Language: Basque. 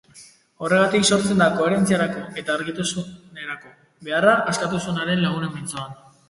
Horregatik sortzen da koherentziarako eta argitasunerako beharra askatasunaren lagunen mintzoan.